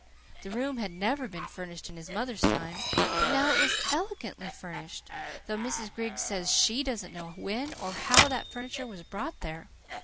The room had never been furnished in his mother's time, but now it was ELEGANTLY furnished, though Mrs. Griggs says SHE doesn't know when or how that furniture was brought there.